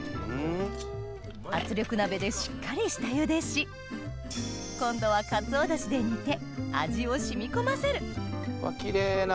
圧力鍋でしっかり下ゆでし今度はかつお出汁で煮て味を染み込ませるキレイな。